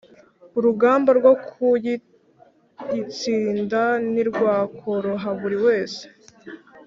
Urugamba rwo kuyitsinda ntirwakoroha buri wese